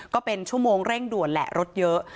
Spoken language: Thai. ก็เป็นชั่วโมงเร่งด่วนแหละรถเยอะ